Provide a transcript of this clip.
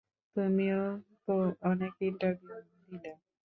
তুমিও তো অনেক ইন্টারভিউ দিলে।